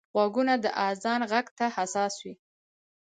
غوږونه د اذان غږ ته حساس وي